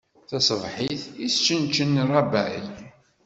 Taṣebḥit, isčenčen rrabay.